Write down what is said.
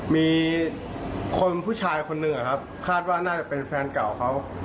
มีคนผู้ชายคนหนึ่งครับคาดว่าน่าจะเป็นแฟนเก่าเขา